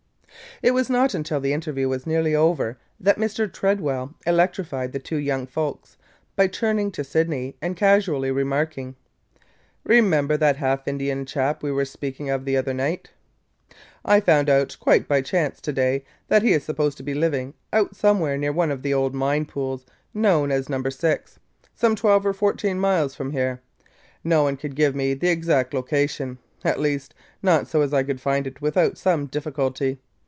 It was not until the interview was nearly over that Mr. Tredwell electrified the two young folks by turning to Sydney and casually remarking: "Remember that half Indian chap we were speaking of the other night? I found out quite by chance to day that he is supposed to be living out somewhere near one of the old mine pools known as Number Six, some twelve or fourteen miles from here. No one could give me just the exact location – at least not so as I could find it without some difficulty.